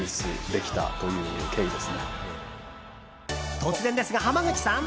突然ですが、濱口さん！